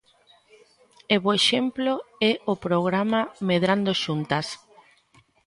E bo exemplo é o programa Medrando Xuntas.